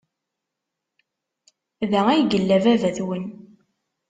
Da ay yella baba-twen?